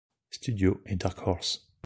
Studios et Dark Horse.